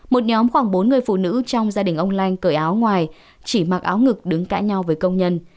một nhóm khoảng bốn người phụ nữ trong gia đình ông lanh cởi áo ngoài chỉ mặc áo ngực đứng cãi nhau với công nhân